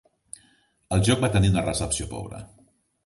El joc va tenir una recepció pobre.